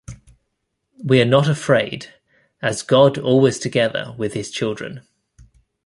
We are not afraid, as God always together with his children!